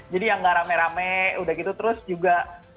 jadi yang gak rame rame udah gitu terus juga